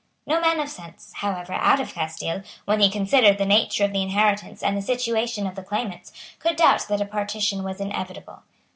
No man of sense, however, out of Castile, when he considered the nature of the inheritance and the situation of the claimants, could doubt that a partition was inevitable.